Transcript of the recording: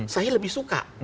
saya lebih suka